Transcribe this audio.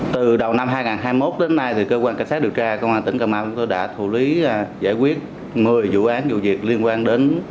từ đầu năm hai nghìn hai mươi một đến nay thì cơ quan cảnh sát điều tra công an tỉnh cà mau tôi đã thủ lý giải quyết một mươi vụ án vụ việc liên quan đến